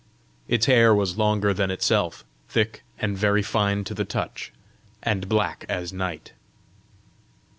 Its hair was longer than itself, thick and very fine to the touch, and black as night.